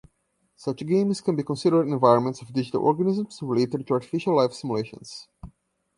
Such games can be considered environments of digital organisms, related to artificial life simulations.